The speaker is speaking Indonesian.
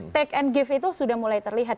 take and give itu sudah mulai terlihat